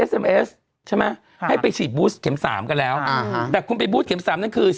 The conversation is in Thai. ใช่ไหมอ่าให้ไปฉีดบู๊สเข็มสามกันแล้วอ่าแต่คุณไปบู๊สเข็มสามนั้นคือ